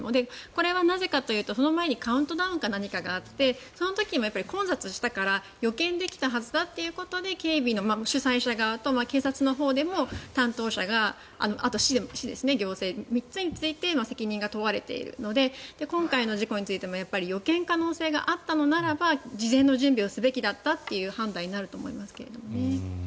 これはなぜかというと、その前にカウントダウンか何かがあってその時も混雑したから予見できたはずだということで警備の主催者側と警察のほうでも担当者と市が３つについて責任が問われているので今回の事故についても予見可能性があったのならば事前の準備をすべきだったという判断になると思いますけどね。